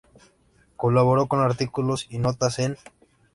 Colaboró con artículos y notas en.